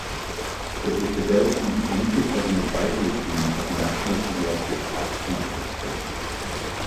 It was developed using input of an advisory team of national pediatric asthma experts.